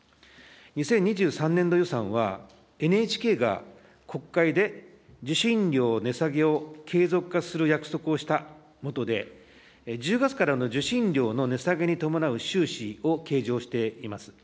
２０２３年度予算は、ＮＨＫが国会で受信料値下げを継続化する約束をした下で、１０月からの受信料の値下げに伴う収支を計上しています。